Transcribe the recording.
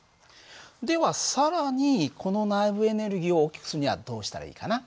では更にこの内部エネルギーを大きくするにはどうしたらいいかな？